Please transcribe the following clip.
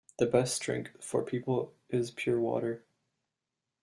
The best drink for people is pure water.